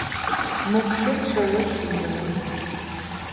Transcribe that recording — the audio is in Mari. Мокшет шелеш, шӱмбелем!